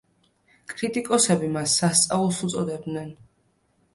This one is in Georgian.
კრიტიკოსები მას სასწაულს უწოდებდნენ.